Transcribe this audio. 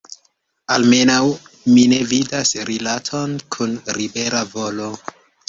Almenaŭ mi ne vidas rilaton kun libera volo.